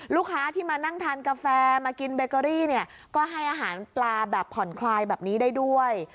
ลูกค้าที่มานั่งทานกาแฟมากินเบเกอรี่เนี่ยก็ให้อาหารปลาแบบผ่อนคลายแบบนี้ได้ด้วย